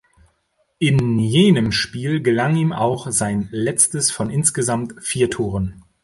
In jenem Spiel gelang ihm auch sein letztes von insgesamt vier Toren.